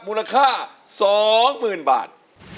มูลค่า๒๐๐๐บาท